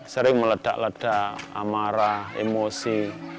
sering meledak ledak amarah emosi